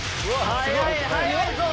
速い速いぞ！